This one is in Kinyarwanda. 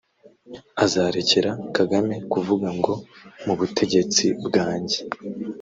azarekera Kagame kuvuga ngo mu butegetsi bwanjye